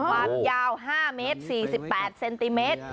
ความยาว๕เมตร๔๘เซนติเมตร